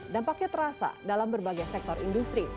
dampaknya terasa dalam berbagai sektor industri